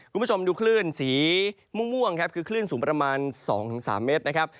คุณผู้ชมดูคลื่นสีม่วงครับคือคลื่นสูงประมาณ๒๓เมตรนะครับ